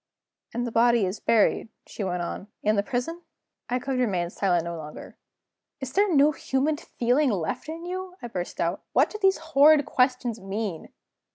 "And the body is buried," she went on, "in the prison?" I could remain silent no longer. "Is there no human feeling left in you?" I burst out. "What do these horrid questions mean?"